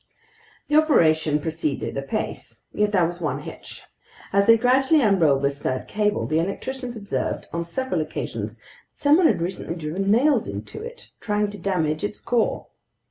The operation proceeded apace. Yet there was one hitch. As they gradually unrolled this third cable, the electricians observed on several occasions that someone had recently driven nails into it, trying to damage its core.